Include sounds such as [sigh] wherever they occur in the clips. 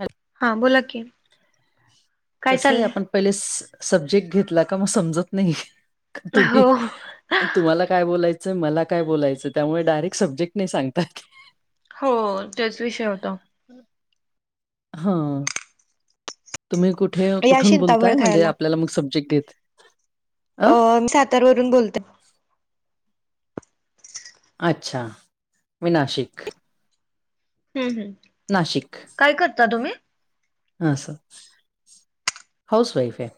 ह. हा बोला की काय कस आहे चाललंय? आपण पहिले सब्जेक्ट घेतला का मग समजत नाही, हो तुम्ही तुम्हाला काय बोलायचं, मला काय बोलायचं, त्यामुळे डायरेक्ट सब्जेक्ट नाही सांगतात. हो त्योच विषय होतो. हा. तुम्ही कुठे या कुठून शिंताफळ बोलताय? म्हणजे खायला आपल्याला मग सब्जेक्ट दे अ मी सातारा वरून बोलते अच्छा मी नाशिक हम् हम्. नाशिक. काय करता तुम्ही हा सर, हाऊस वाइफ आहे.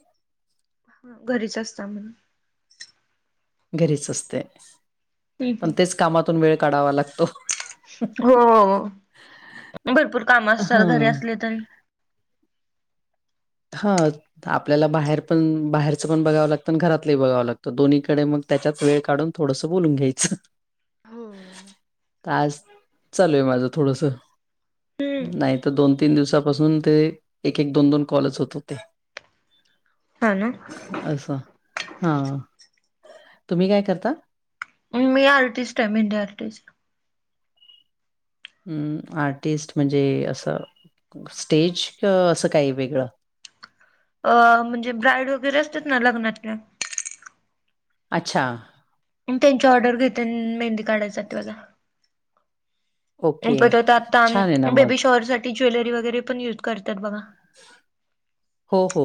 घरीच असतो आम्ही घरीच असते हम्म पण हम्म तेच कामातून वेळ काढावा लागतो. हो, भरपूर कामं असतात घरी हां असले तरी. हा आपल्याला बाहेर पण बाहेरचं पण बघावं लागतं आणि घरातलंही बघावं लागतं दोन्हीकडे मग त्याच्यात वेळ काढून थोडसं बोलून घ्यायचं. हम्म आज चालू आहे माझं थोडसं नाही तर दोन तीन दिवसापासून ते एक -एक, दोन -दोन कॉलच होत होते. हा ना. असं हां हा तुम्ही काय करता? मी आर्टिस्ट आहे मेहंदी आर्टिस्ट म आर्टिस्ट म्हणजे असं स्टेज का असं काही वेगळं अ म्हणजे ब्राईड वगैरे असतात ना लग्नातल्या अच्छा, त्यांची ऑर्डर घेते मेंदी काढाय जाते बघा हो ओके. तर आता छान आहे ना बेबी मग. शॉवर साठी ज्वेलरी वगैरे पण युज करत्यात बघा हो हो.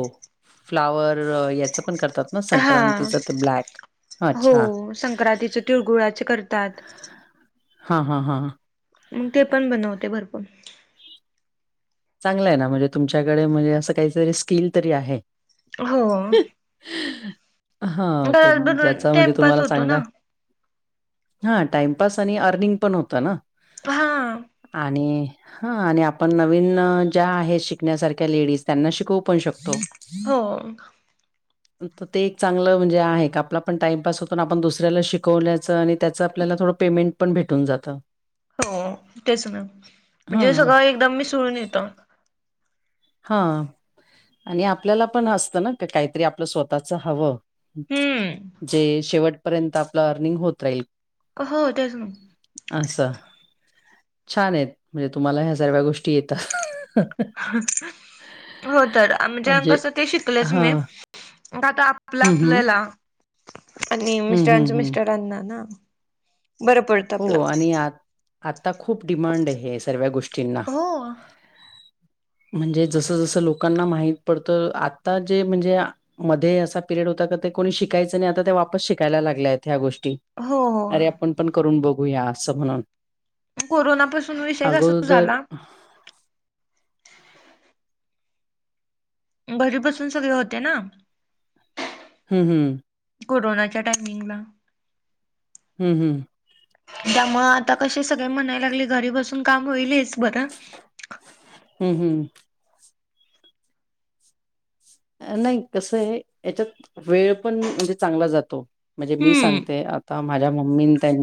फ्लावर याचं पण करतात ना हा संक्रांतीच त ब्लॅक. हो अच्छा. संक्रांतीच तिळगुळाच करतात. हां, हां, हां, हां मग ते पण बनवते भरपूर चांगलंय ना म्हणजे तुमच्याकडे म्हणजे असं काहीतरी स्किल तरी आहे. हो हा घरात बसून ज्याचा म्हणजे टाइमपास तुम्हाला होतो ना. चांगला हा टाइमपास आणि अर्निंग पण होतं ना. हां आणि हा आणि आपण नवीन ज्या आहेत शिकण्यासारख्या लेडीज त्यांना शिकवू पण शकतो. हो [unintelligible] तर ते एक चांगलं म्हणजे आहे का आपला पण टाइमपास होतो आपण दुसऱ्याला शिकवल्याचं आणि त्याचं आपल्याला थोडं पेमेंट पण भेटून जातं. हो तेच ना म्हणजे हां, सगळं एकदम मिसळून येतो. हा आणि आपल्याला पण असतं ना, का काहीतरी आपलं स्वतःच हवं. हम्म जे शेवटपर्यंत आपलं अर्निंग होत राहील. हो तेच ना आसं छान आहेत म्हणजे तुम्हाला ह्या सर्व्या गोष्टी येतात. हो तर म्हणजे कसं ते शिकलेच मी हां. मग आता आपलं हं, हं. आपल्याला आणि हं, हं, मिस्टरांच हं. मिस्टरांना ना बरं पडतं हो आपलं. आणि आ आता खूप डिमांड आहे सर्व्या गोष्टी ष्टीना हो म्हणजे जसं जसं लोकांना माहीत पडतं आता जे म्हणजे मध्ये असा पिरियड होता का ते कोणी शिकायचं नाही आता त्या वापस शिकायला लागल्या आहेत ह्या गोष्टी हो हो. अरे आपण पण करून बघूया असं म्हणून कोरोनापासून विषय क अगोदर झाला घरी बसून सगळे होते ना. हम् हम् कोरोनाच्या टायमिंगला हुं हू त्यामुळं आता कसे सगळे म्हणायला लागले घरी बसून काम होईल हेच बरं. हूं हूं नाही कसं आहे याच्यात वेळ पण म्हणजे चांगला जातो म्हणजे मी हम्म. सांगते आता माझ्या मम्मीनी त्यां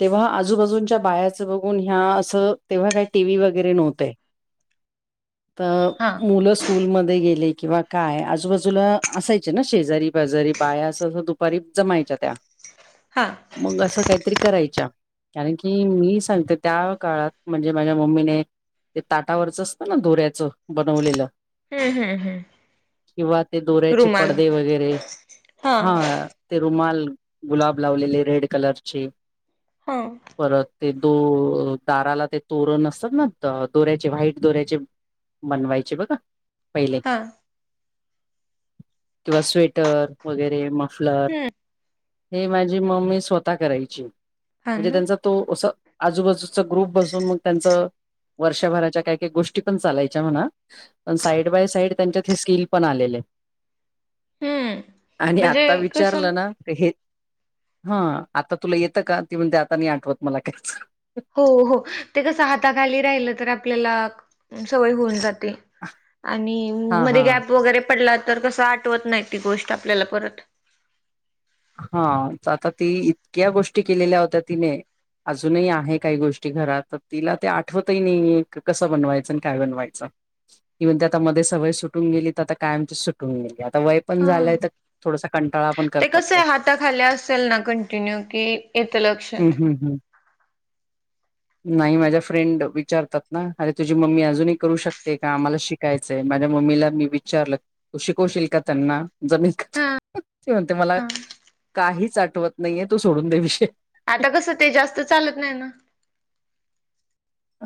तेव्हा आजूबाजूंच्या बायाचं बघून ह्या असं तेव्हा काही टीव्ही वगैरे नव्हतंय तर हां मुलं स्कूलमध्ये गेले किंवा काय आजूबाजूला असायचे ना शेजारी बाजारी बाया असं असं दुपारी जमायच्या त्या हां मग असं काहीतरी करायच्या कारण की मी सांगते त्या काळात म्हणजे माझ्या मम्मीने ते ताटावरच असतं ना दोऱ्याचं बनवलेलं हम्म हम् हम् किंवा ते दोऱ्याचे पडदे वगैरे हा ते रुमाल गुलाब लावलेले रेड कलरचे हा परत ते दो दाराला ते तोर नसत ना दोऱ्याचे व्हाईट दोऱ्याचे बनवायचे बघा पहिले हां किंवा स्वेटर वगैरे मफलर हम्म. हे माझी मम्मी स्वतः करायची हा म्हणजे ना. त्यांच तो असं आजूबाजूचा ग्रुप बसून मग त्यांचं वर्षभराच्या काही काही गोष्टी पण चालायच्या म्हणा पण साईड बाय साईड त्यांच्यात हे स्किल पण आलेले हम्म आणि म्हणजे आता कसं विचारलं ना हे हा आता तुला येतं का ती म्हणते आता मी आठवत मला कच हो हो ते कसं हाताखाली राहिलं तर आपल्याला सवय होऊन जाते आणि हा मध्ये हा गॅप वगैरे पडला तर कसा आठवत नाही ती गोष्ट आपल्याला परत हा आता ती इतक्या गोष्टी केलेल्या होत्या तिने अजूनही आहे काही गोष्टी घरात तर तिला ते आठवतही नाही कसं बनवायचं आणि काय बनवायचं इव्हन त्या आता मध्ये सवय सुटून गेली तर आता काय आमची सुटून गेली आता वय पण झालंय तर थोडासा कंटाळा पण करतात त्या हाता खाली असेल ना कंटिन्यू कि येतं हम्म लक्षात हम्म [unintelligible] नाही माझ्या फ्रेंड विचारतात ना अरे तुझी मम्मी अजूनही करू शकते का आम्हाला शिक कायच आहे माझ्या मम्मीला मी विचारलं तू शिकवशील का त्यांना जमील कत हा म्हणते मला काहीच आठवत नाहीये तू सोडून दे्या विषय आता कसं ते जास्त चालत नाही ना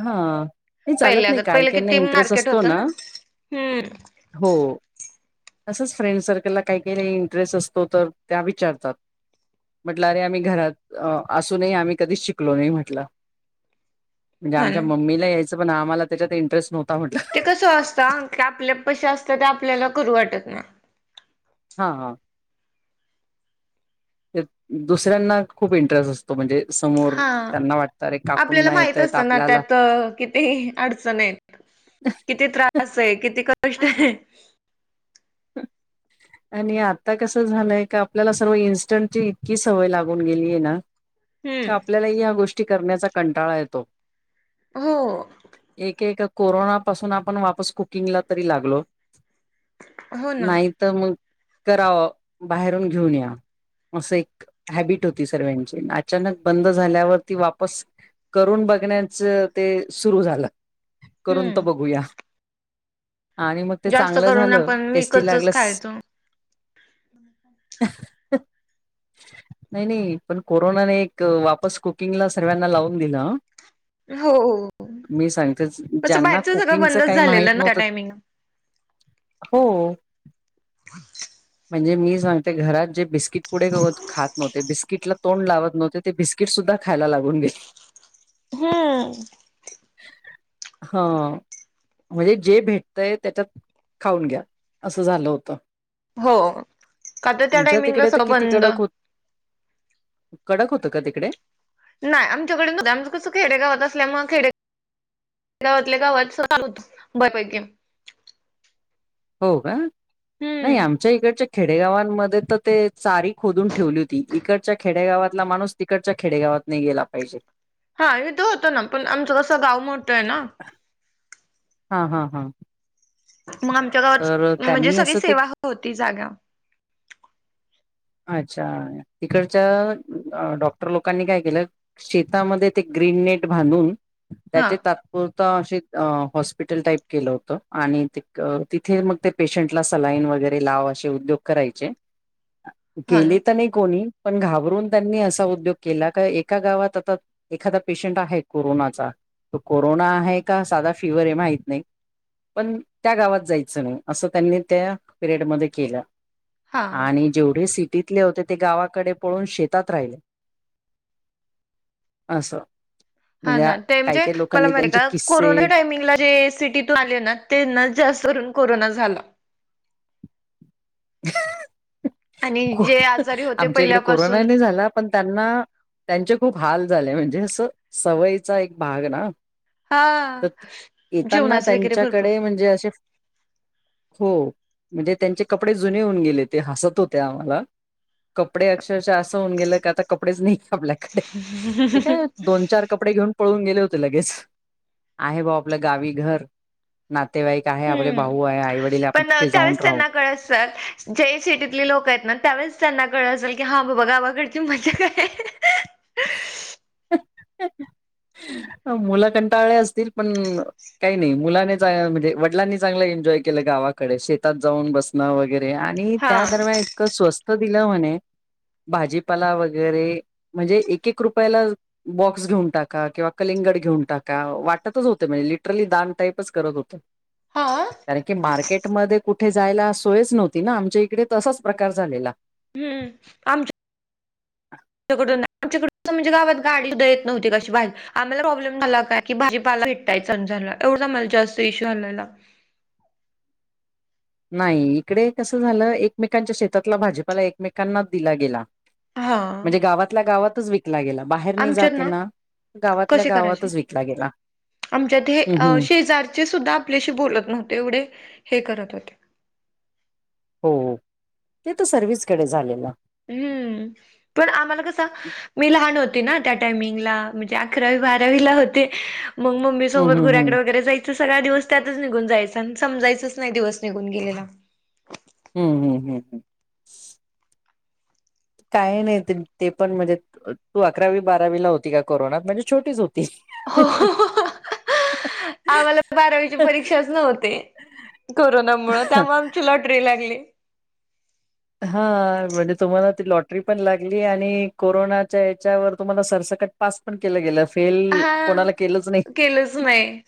हा नाही चालत नाही पहिल्यागत काय पहिलं काही नाही किती इंटरेस्ट मार्केट असतो होतं ना हम्म हो तंच फ्रेंड सर्कलला काही काही इंटरेस्ट असतो तर त्या विचारतात म्हटलं अरे आम्ही घरात असूनही आम्ही कधीच शिकलो नाही म्हटलं ते हा आमच्या ना मम्मीला यायचं पण आम्हाला त्याच्यात इंटरेस्ट नव्हता म्हटलं ते कसं असत आपल्या पशी असतात ते आपल्याला करू वाटत नाही हा हा दुसऱ्यांना खूप इंटरेस्ट असतो तो म्हणजे समोर हा त्यांना वाटतं रे काकून नाही येत येत आपल्याला अ किती ते अडचण आहेत किती त्रास आहे किती कष्ट आहे हर आणि आता कसं झालंय का आपल्याला सर्व इन्स्टंटची इतकी सवय लागून गेलीय ना का हम्म आपल्यालाही या्या गोष्टी करण्याचा कंटाळा येतो हो एक एक कोरोना पासून आपण वापस कुकिंगला तरी लागलो हो ना नाही तर मग करावं बाहेरून घेऊन या असं एक हॅबिट होती सर्वाची अचानक बंद झाल्यावरती वापस करून बघण्याच ते सुरू झालं करून तर हम्म बघूया आणि मग ते जास्त चांगलं करून झालं आपण टेस्टी विकतच लागलंस खायचो हम् नाही नाही पण कोरोनाने एक वापस कुकिंगला सर्व्यांना लावून दिला हो मी सांगतेच असं ज्यांना बाहेरच सगळं कुकिंगच बंदच काही माहित झालेलं ना त्या नव्हतं टायमिंगला हो ह [unintelligible] म्हणजे मी सांगते घरात जे बिस्किट पुढे खात नव्हते बिस्किटला तोंड लावत नव्हते ते बिस्किट सुद्धा खायला लागून गेले हम्म हा म्हणजे जे भेटतय त्याच्यात खाऊन घ्या असं झालं होतं हो का तर त्या तुमच्या टायमिंगला तिकडे तर सगळं किती बंद कडक हो कडक होतं का तिकडे नाही आमच्याकडे न आमंच कसं खेडेगावात असल्यामुळ खेडे गावातल्या गावात [unintelligible] हो का? नाही हम्म. आमच्या इकडचे खेडेगावांमध्ये तर ते चारी खोदून ठेवली होती इकडच्या खेडेगावातला माणूस तिकडच्या खेडेगावात नाही गेला पाहिजे. हा इथं होतं ना पण आमचं कसं गाव मोठं आहे ना. हा हा हा. मग आमच्या गावात, तर म्हणजे त्यांनी सगळी असं ते सेवा होती जागा. अच्छा इकडच्या डॉक्टर लोकांनी काय केलं शेतामध्ये ते ग्रीन नेट बांधून हा त्याचे तात्पुर त अशे अ हॉस्पिटल टाईप केलं होत आणि तिथ तिथे मग ते पेशंटला सलाईन वगैरे लाव अशे उद्योग करायचे. हा केले ना तर नाही कोणी पण घाबरून त्यांनी असा उद्योग केला का एका गावात आता एखादा पेशंट आहे कोरोनाचा तो कोरोना आहे का साधा फिवर आहे माहित नाही. पण त्या गावात जायचं नाही असं त्यांनी त्या पिरियडमध्ये केलं. हा. आणि जेवढे सिटीतले होते ते गावाकडे पळून शेतात राहिले. अस. हा ना ते म्हणजे मला [unintelligible] किस्से कोरोना टायमिंगला रे सिटीत तो आले ना त्यांनाच जास्त कोरोना झाला. आणि जे आजारी होते आमच्या इकडे कोरोना पहिल्यापासून नाही झाला. पण त्यांना त्यांचे खूप हाल झाले म्हणजे असं सवयीचा एक भाग ना. हा [unintelligible] येताना जेवणाचे वगैरे भरपूर त्यांच्याकडे म्हणजे अशे हो म्हणजे त्यांचे कपडे जुने होऊन गेले ते हसत होत्या आम्हाला. कपडे अक्षरशा असं होऊन गेल क आता कपडेच नाही आपल्या ते काय हम्म. दोन चार कपडे घेऊन पळून गेले होते लगेच, आहे भाऊ आपलं गावी घर नातेवाईक आहे आपले हम्म भाऊ आहे आई वडील आपण पण तिथे जाऊन त्यावेळेस राहू त्यांना कळ असल. जे सिटीतले लोक आहेत ना त्यावेळेस त्यांना कळ असेल की हा बाबा गावाकडची मजा काय. [inaudible] मुलं कंटाळे असतील पण काही नाही मुलाने म्हणजे वडलांनी चांगलं एन्जॉय केलं गावाकडे शेतात जाऊन बसणं वगैरे. ते आणि हा त्या दरम्यान इतकं स्वस्त दिलं म्हणे भाजीपाला वगैरे म्हणजे एक एक रुपयाला बॉक्स घेऊन टाका किंवा कलिंगड घेऊन टाका वाटतच होत म्हणजे लिटरली दान टाईपच करत होत. हा. कारण की मार्केटमध्ये कुठे जायला सोयच नव्हती ना आमच्या इकडे तसाच प्रकार झालेला. हम्म आमच्या [inaudible] [unintelligible] आमच्याकडून म्हणजे गावात गाडी सुद्धा येत नव्हती कशी बाहेर आम्हाला प्रॉब्लेम झाला काय कि भाजीपाला [unintelligible] झाला एवढा मला जास्त इश्यू आलेला. नाही इकडे कसं झालं एकमेकांच्या शेतातला भाजीपाला एकमेकांना दिला गेला. हा म्हणजे गावातल्या गावातच विकला गेला. बाहेर नाही जाते ना गावातल्या कसे करायचे गावातच विकला गेला. आमच्यात हे हम्म अ हम्म शेजारचे सुद्धा आपल्याशी बोलत नव्हते एवढे हे करत होते. हो, ते तर सर्विसकडे झालेल. हम्म, पण आम्हाला कसं मी लहान होते ना त्या टायमिंगला म्हणजे अकरावी बारावीला होते. मग मम्मी हम्म सोबत हम्म घुऱ्याकड हम्म वगैरे ज त सगळा दिवस त्यातच निघून जायचा आणि समजायच नाही दिवस निघून गेलेला. हम्म हम्म हम्म हम्. काही नाही ते पण म्हणजे तू अकरावी बारावीला होती का कोरोनात म्हणजे छोटीच होती. हो आम्हाला बारावीच्या परीक्षाच नव्हते कोरोनामुळे त्यामुळे आमची ल लॉटरी लागली हा म्हणजे तुम्हाला ती लॉटरी पण लागली आणि कोरोनाच्या याच्यावर तुम्हाला सरसकट पास पण केलं गेलं फेल हा कोणाला केलंच नाही. केलंच नाही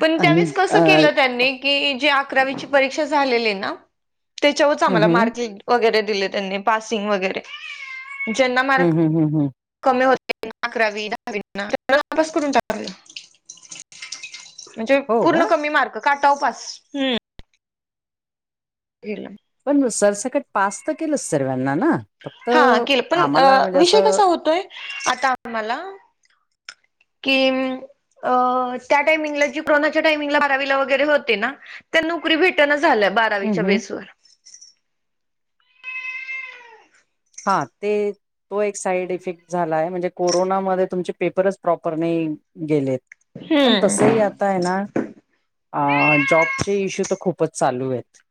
पण आणि त्यावेळेस कसं अ केलं त्यांनी की जे अकरावीची परीक्षा झालेली ना त्याच्यावरच हम्म आम्हाला हम्म मार्क लि वगैरे दिले त्यांनी पासिंग वगैरे ज्यांना मार्क हम्म हम्म हम्म हम्म कमी होते अकरावी दहावी पास करून टाकले म्हणजे हो का पूर्ण कमी मार्क काटावर पास गेले पण सरसकट पास तर केलंच सर्वाना ना फक्त हा केलं पण आम्हाला म्हणजे विषय असं कसा होतोय आता आम्हाला कि म अ त्या टायमिंगला जी कोरोनाच्या टायमिंगला बरावीला वगैरे होते ना त्या नोकरी भेटण झाल्या हम्म बारावीच्या हम्म बेसवर हा ते तो एक साईड इफेक्ट झाला आहे म्हणजे कोरोनामध्ये तुमचे पेपरच प्रॉपर नाही गेलेत पण तसही हम्म आता आहे ना अ जॉबचे इश्यू तर खूपच चालू आहेत.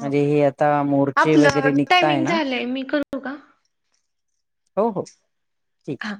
म्हणजे हे आता मोर्चे वगैरे निघताय ना. प्लेमिकल हो हो ठीक. हा.